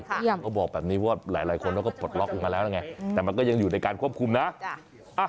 เขาบอกแบบนี้ว่าหลายคนเขาก็ปลดล็อกลงมาแล้วนะไงแต่มันก็ยังอยู่ในการควบคุมนะ